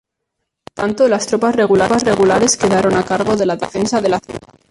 Entre tanto, las tropas regulares quedaron a cargo de la defensa de la ciudad.